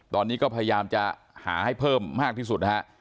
ตอนนี้ก็พยายามจะหาให้เพิ่มมากที่สุดนะฮะ